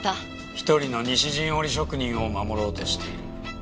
一人の西陣織職人を守ろうとしている。